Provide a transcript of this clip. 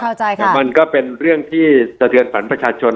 เข้าใจค่ะมันก็เป็นเรื่องที่สะเทือนฝันประชาชน